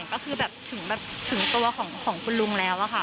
ก็ถึงตัวของคุณลุงแล้วค่ะ